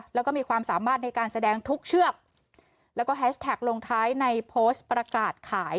แล้วก็มีความสามารถในการแสดงทุกเชือกแล้วก็แฮชแท็กลงท้ายในโพสต์ประกาศขาย